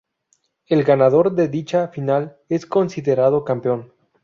El ganador de dicha final es considerado campeón.